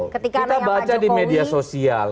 kita baca di media sosial